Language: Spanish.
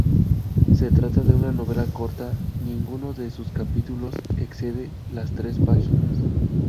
Se trata de una novela corta: ninguno de sus capítulos excede las tres páginas.